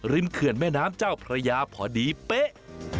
เขื่อนแม่น้ำเจ้าพระยาพอดีเป๊ะ